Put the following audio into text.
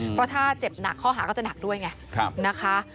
เพราะถ้าเจ็บหนักข้อหาก็จะหนักด้วยไงนะคะ